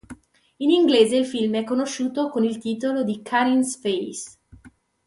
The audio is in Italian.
In inglese il film è conosciuto con il titolo di "Karin's Face".